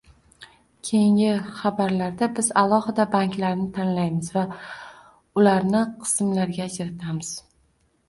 Keyingi xabarlarda biz alohida banklarni tanlaymiz va ularni qismlarga ajratamiz